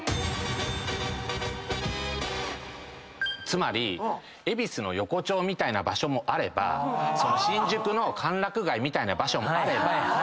つまり恵比寿の横丁みたいな場所もあれば新宿の歓楽街みたいな場所もあれば。